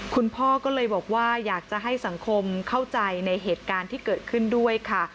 คุณพ่อก็เลยบอกว่าอยากจะให้สังคมเข้าใจในเหตุการณ์ที่เกิดขึ้นด้วยค่ะ